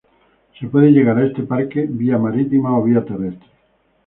Se puede llegar a este parque vía marítima o vía terrestre.